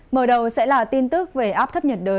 mở đầu sẽ là tin tức về áp thấp nhiệt đới